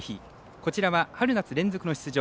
こちらは春夏連続の出場。